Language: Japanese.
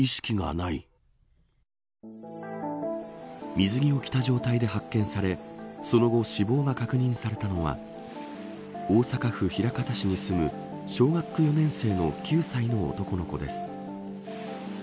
水着を着た状態で発見されその後、死亡が確認されたのは大阪府枚方市に住む小学４年生の９歳の男の子です。